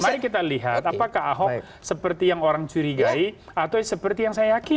mari kita lihat apakah ahok seperti yang orang curigai atau seperti yang saya yakin